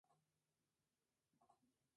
Está situado en la península de Mani, en Laconia.